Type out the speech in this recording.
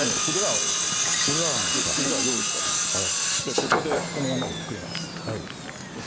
ここでこの山を作ります。